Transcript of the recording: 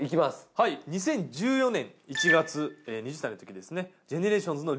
はい２０１４年１月２０歳のときですね。